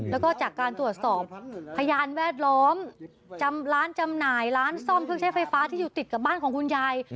แล้วก็จากการตรวจสอบพยานแวดล้อมจำร้านจำหน่ายร้านซ่อมเครื่องใช้ไฟฟ้าที่อยู่ติดกับบ้านของคุณยาย